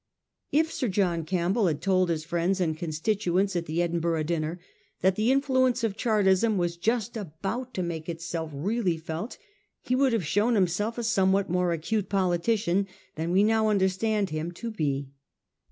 If Sir John Campbell had told his friends and constituents at the Edinburgh dinner that the influence of Chartism was just about to make itself really felt, he would have shown himself a somewhat more acute politician than we now understand him to be.